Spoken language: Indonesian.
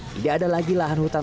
tidak ada lagi lahan hutan